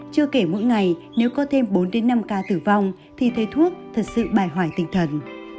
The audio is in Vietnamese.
chưa kể mỗi ngày nếu có thêm bốn năm ca tử vong thì thầy thuốc thật sự bài hoài tinh thần